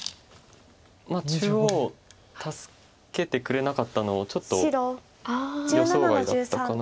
中央を助けてくれなかったのをちょっと予想外だったかな。